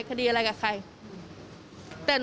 กล้องบัส